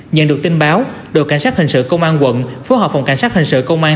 nhận được tin báo đội cảnh sát hình sự công an quận phối hợp phòng cảnh sát hình sự công an